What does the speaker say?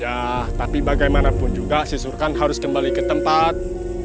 ya tapi bagaimanapun juga si surkan harus kembali ke tempat